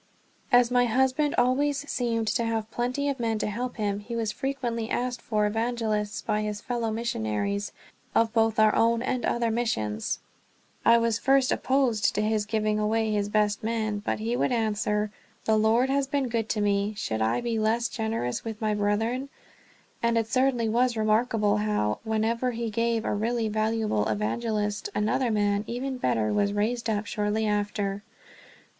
As my husband always seemed to have plenty of men to help him, he was frequently asked for evangelists by his fellow missionaries of both our own and other missions. I was at first opposed to his giving away his best men, but he would answer, "The Lord has been good to me; should I be less generous with my brethren?" And it certainly was remarkable how, whenever he gave a really valuable evangelist, another man, even better, was raised up shortly after.